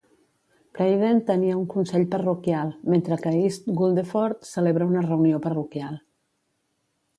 Playden tenia un consell parroquial, mentre que East Guldeford celebra una reunió parroquial.